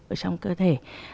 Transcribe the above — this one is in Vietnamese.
ở trong cơ thể